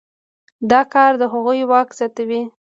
دا کار د هغوی واک زیاتوي.